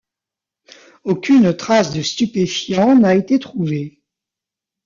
Aucune trace de stupéfiant n'a été trouvée.